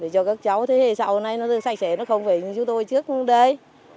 để cho các cháu thế hệ sau này nó được sạch sẽ nó không phải như chúng tôi trước đây